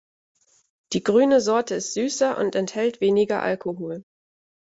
Die grüne Sorte ist süßer und enthält weniger Alkohol.